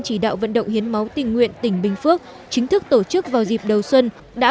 chỉ đạo vận động hiến máu tình nguyện tỉnh bình phước chính thức tổ chức vào dịp đầu xuân đã